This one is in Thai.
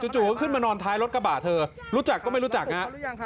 จู่ก็ขึ้นมานอนท้ายรถกระบะเธอรู้จักก็ไม่รู้จักฮะ